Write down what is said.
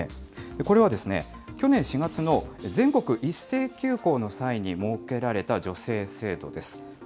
これはですね、去年４月の全国一斉休校の際に設けられた助成制度です。